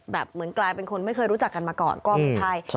เหมือนกลายเป็นคนไม่เคยรู้จักกันมาก่อนก็ไม่ใช่